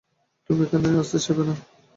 তুমি এখানে আসতে চাইবে না।